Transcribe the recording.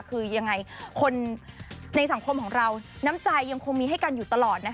คือยังไงคนในสังคมของเราน้ำใจยังคงมีให้กันอยู่ตลอดนะคะ